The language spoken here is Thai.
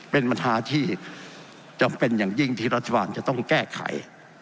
เป็นปัญหาที่จำเป็นอย่างยิ่งที่รัฐบาลจะต้องแก้ไข